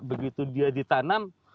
begitu dia ditanam